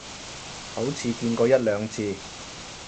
好似見過一兩次